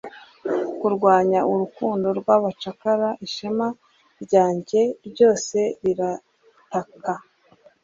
Kurwanya urukundo rwabacakara ishema ryanjye ryose rirataka